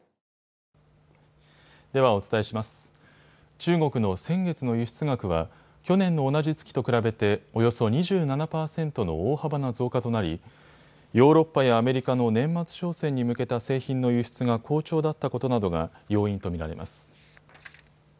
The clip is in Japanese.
中国の先月の輸出額は去年の同じ月と比べておよそ２７％の大幅な増加となりヨーロッパやアメリカの年末商戦に向けた製品の輸出が好調だったことなどが要因と見られます。